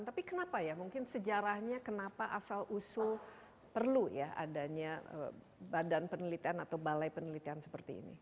tapi kenapa ya mungkin sejarahnya kenapa asal usul perlu ya adanya badan penelitian atau balai penelitian seperti ini